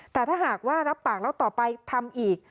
แต่ถ้าหากว่ารับปากแล้วต่อไปทำอีก